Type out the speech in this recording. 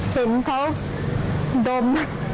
ถึงเขาดม